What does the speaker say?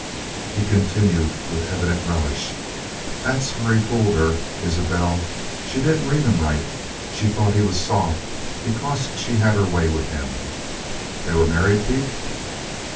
He continued with evident relish: "That's where he fooled her Isabelle she didn't read him right. She thought he was 'soft' because she had her way with him." "They were married, Pete?"